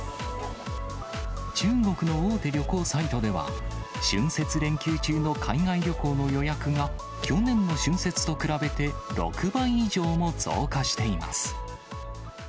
中国の大手旅行サイトでは、春節連休中の海外旅行の予約が、去年の春節と比べて６倍以上も増加しています。